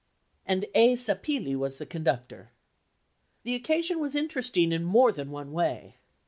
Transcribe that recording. and A. Seppilli was the conductor. The occasion was interesting in more than one way.